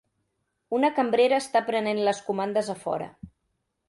Una cambrera està prenent les comandes a fora.